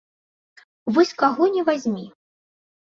Вось каго ні вазьмі!